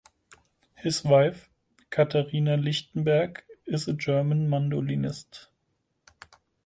His wife, Caterina Lichtenberg, is a German mandolinist.